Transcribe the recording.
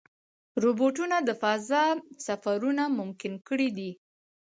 روبوټونه د فضا سفرونه ممکن کړي دي.